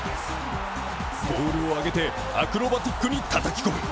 ボールを上げてアクロバティックにたたき込む。